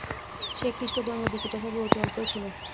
সেই খ্রীষ্টধর্মে বিকৃতভাব অতি অল্পই ছিল।